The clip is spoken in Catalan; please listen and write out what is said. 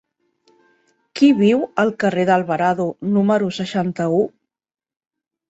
Qui viu al carrer d'Alvarado número seixanta-u?